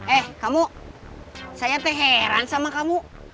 eh kamu saya terserah sama kamu